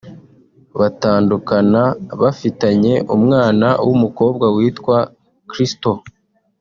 batandukana bafitanye umwana w’umukobwa witwa Crystal